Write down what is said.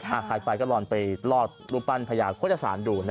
อ่ะขายไปก็ลอนไปรอดรูปปั้นพญาโฆษฐศาสตร์ดูนะครับ